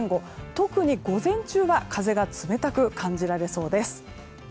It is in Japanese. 特に午前中は風が冷たく感じられそうです。